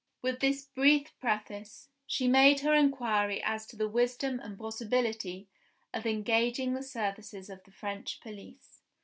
With this brief preface, she made her inquiry as to the wisdom and possibility of engaging the services of the French police.